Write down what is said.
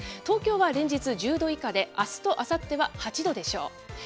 東京は連日、１０度以下で、あすとあさっては８度でしょう。